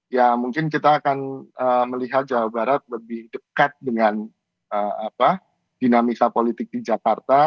ya mungkin kita akan melihat jawa barat lebih dekat dengan dinamika politik di jakarta